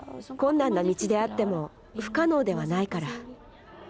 困難な道であっても不可能ではないから。